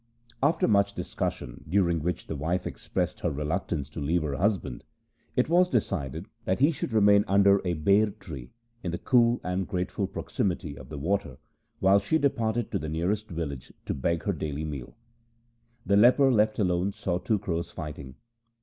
After much discussion, during which the wife expressed her reluctance to leave her hus band, it was decided that he should remain under a ber tree in the cool and grateful proximity of the water, while she departed to the nearest village to beg their daily meal. The leper, left alone, saw two crows fighting.